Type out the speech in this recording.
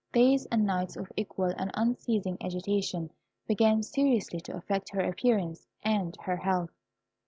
Days and nights of equal and unceasing agitation began seriously to affect her appearance and her health.